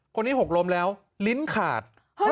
คนนี้หกล้มแล้วลิ้นขาด